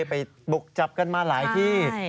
ไปบุกจับกันมาหลายที่